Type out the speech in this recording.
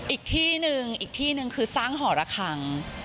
อีกที่หนึ่งอีกที่หนึ่งคือสร้างหอระคัง